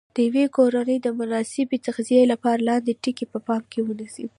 د یوې کورنۍ د مناسبې تغذیې لپاره لاندې ټکي په پام کې ونیسئ.